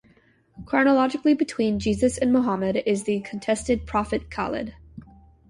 Chronologically between Jesus and Mohammad is the contested Prophet Khalid.